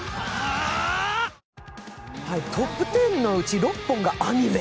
トップ１０のうち６本がアニメ。